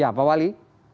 ya pak wali